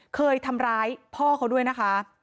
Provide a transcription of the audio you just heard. เคยทำร้ายพ่อเขาด้วยนะคะ